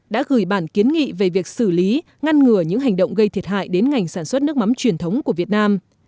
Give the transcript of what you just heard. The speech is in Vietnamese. đã gửi bản kiến nghị về việc xử lý ngăn ngừa những hành động gây thiệt hại đến ngành sản xuất nước mắm truyền thống của việt nam